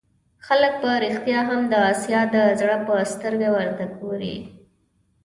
خلک په رښتیا هم د آسیا د زړه په سترګه ورته وګوري.